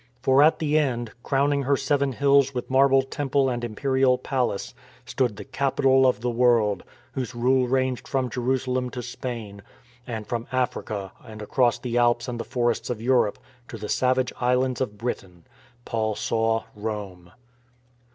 For at the end, crowning her seven hills with marble temple and Imperial Palace, stood the Capital of the World, whose rule ranged from Jerusalem to Spain, and from Africa and across the Alps and the forests of Europe to the savage islands of Britain. Paul saw Rome.